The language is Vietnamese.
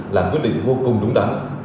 là quyết định vô cùng đúng đắn